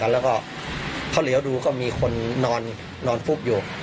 แล้วก็เขาเหลียวดูก็มีคนนอนฟุบอยู่